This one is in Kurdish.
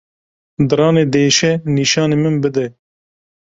Diranê diêşe nîşanî min bide.